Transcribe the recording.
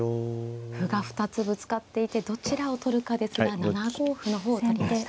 歩が２つぶつかっていてどちらを取るかですが７五歩の方を取りました。